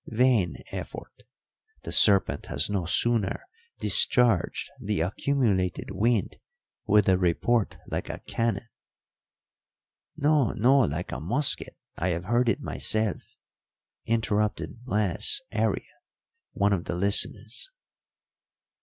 Vain effort! The serpent has no sooner discharged the accumulated wind with a report like a cannon " "No, no, like a musket! I have heard it myself," interrupted Blas Aria, one of the listeners.